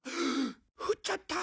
振っちゃった。